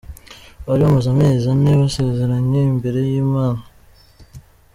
Bari bamaze amezi ane basezeranye imbere y'Imana.